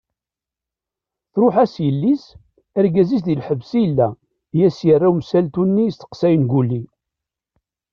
Truḥ-as yelli-s, argaz-is di lḥebs i yella, i as-yerra umsaltu-nni yesteqsayen Guli.